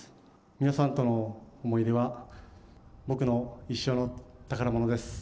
皆さんとの思い出は、僕の一生の宝物です。